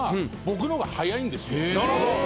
なるほど。